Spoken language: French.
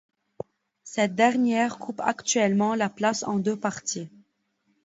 Cette dernière coupe actuellement la place en deux parties.